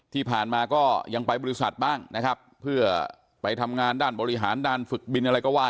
ที่ผ่านมาก็ยังไปบริษัทบ้างนะครับเพื่อไปทำงานด้านบริหารด้านฝึกบินอะไรก็ว่า